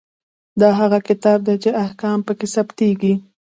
دا هغه کتاب دی چې احکام پکې ثبتیږي.